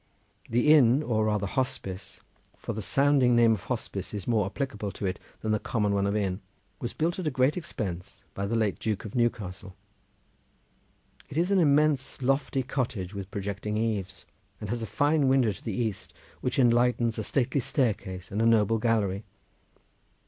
The inn, or rather hospice, for the sounding name of hospice is more applicable to it than the common one of inn, was built at a great expense by the late Duke of Newcastle. It is an immense lofty cottage with projecting eaves, and has a fine window to the east which enlightens a stately staircase and a noble gallery.